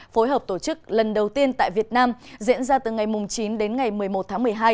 phối hợp tổ chức lần đầu tiên tại việt nam diễn ra từ ngày chín đến ngày một mươi một tháng một mươi hai